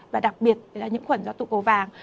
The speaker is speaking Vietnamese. và đặc biệt là nhiễm khuẩn do tụ cầu vàng